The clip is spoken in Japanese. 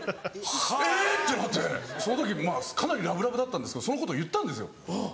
「えぇ⁉」ってなってその時かなりラブラブだったんですけどそのこと言ったんですよ。